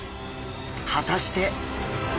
果たして。